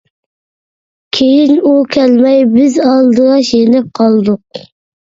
كېيىن ئۇ كەلمەي، بىز ئالدىراش يېنىپ قالدۇق.